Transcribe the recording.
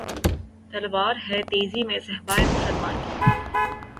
تلوار ہے تیزی میں صہبائے مسلمانی